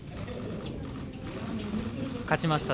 勝ちました